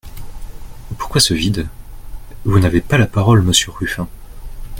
Pourquoi ce vide ? Vous n’avez pas la parole, monsieur Ruffin.